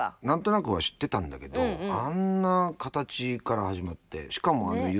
何となくは知ってたんだけどあんな形から始まってしかもあんな